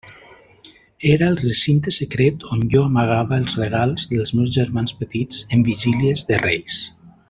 Era el recinte secret on jo amagava els regals dels meus germans petits en vigílies de Reis.